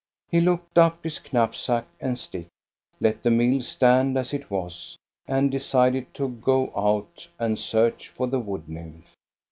He looked up his knapsack and stick, let the mill stand as it was, and decided to go out and search for the wood nymph.